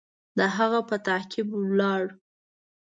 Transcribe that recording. د هغه په تعقیب ولاړ.